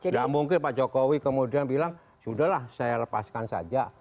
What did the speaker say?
tidak mungkin pak jokowi kemudian bilang sudah lah saya lepaskan saja